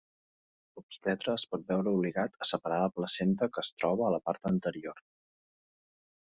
L'obstetra es pot veure obligat a separar la placenta que es troba a la part anterior.